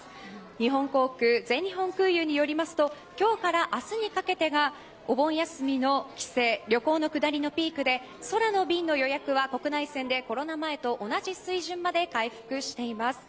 日本航空全日本空輸によりますと今日から明日にかけてがお盆休みの帰省旅行の下りのピークで空の便の予約は国内線でコロナ禍前と同じ水準まで回復しています。